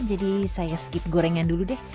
jadi saya skip gorengnya dulu deh